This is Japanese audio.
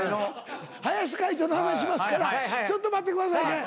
林会長の話しますからちょっと待ってくださいね。